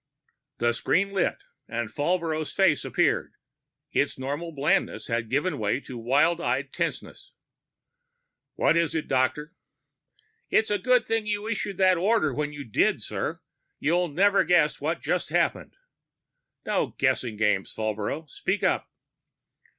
The screen lit and Falbrough's face appeared; its normal blandness had given way to wild eyed tenseness. "What is it, Doctor?" "It's a good thing you issued that order when you did, sir! You'll never guess what just happened " "No guessing games, Falbrough. Speak up."